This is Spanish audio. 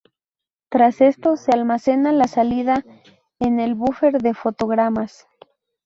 Tras esto, se almacena la salida en el búfer de fotogramas.